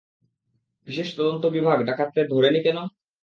বিশেষ তদন্ত বিভাগ ডাকাতদের ধরেনি কেন?